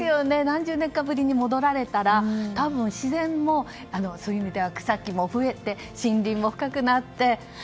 何十年かぶりに戻られたら多分、自然もそういう意味では草木も増えて森林も深くなって。